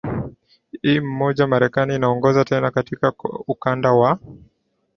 i mmoja marekani inaongoza tena katika ukanda wa